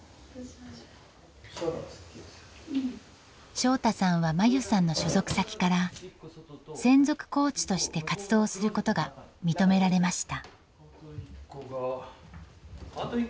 翔大さんは真優さんの所属先から専属コーチとして活動することが認められました。